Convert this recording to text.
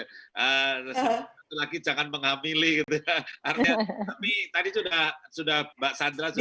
satu lagi jangan menghamili tapi tadi sudah mbak sandra sudah